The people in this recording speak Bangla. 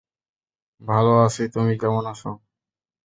ভালো আছি, তুমি কেমন আছো?